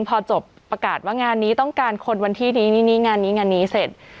ก็คือพอจบปรากฏว่างานนี้ต้องการคนวันที่นี้งานนี้เสร็จ